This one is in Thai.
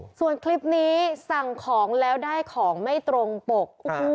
ส่วนคลิปนี้สั่งของแล้วได้ของไม่ตรงปก